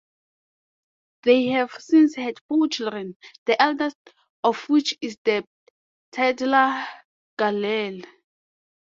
They have since had four children, the eldest of which is the titular Galilee.